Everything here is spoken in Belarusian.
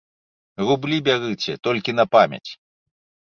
Рублі бярыце толькі на памяць.